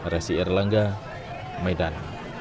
resi erlangga medan